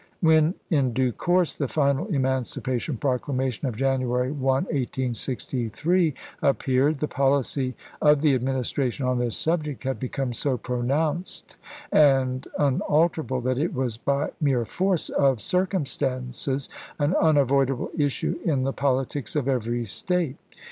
When in due coui'se the final emancipation proclamation of January 1, 1863, appeared, the policy of the Admin istration on this subject had become so pronounced and unalterable that it was by mere force of cir cumstances an unavoidable issue in the politics of every State.